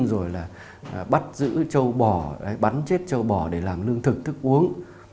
rồi là bắt giữ châu bò bắn chết châu bò để làm lương thực thức uống